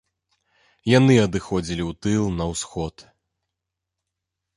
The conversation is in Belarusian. Яны адыходзілі ў тыл, на ўсход.